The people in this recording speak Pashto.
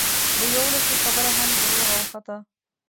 د یوولسو خبره هم دروغه وخته.